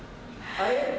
あれ？